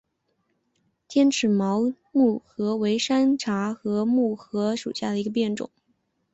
尖齿毛木荷为山茶科木荷属下的一个变种。